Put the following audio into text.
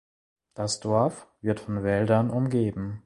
Das Dorf wird von Wäldern umgeben.